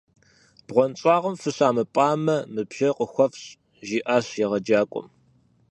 - Бгъуэнщӏагъым фыщамыпӏамэ, мы бжэр къухуэфщӏ, – жиӏащ егъэджакӏуэм.